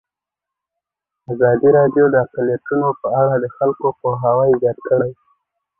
ازادي راډیو د اقلیتونه په اړه د خلکو پوهاوی زیات کړی.